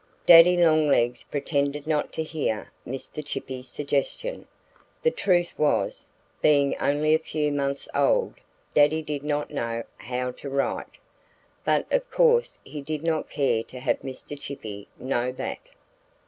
Daddy Longlegs pretended not to hear Mr. Chippy's suggestion. The truth was, being only a few months old Daddy did not know how to write. But of course he did not care to have Mr. Chippy know that.